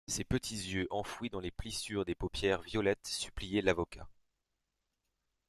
Ses petits yeux enfouis dans les plissures des paupières violettes suppliaient l'avocat.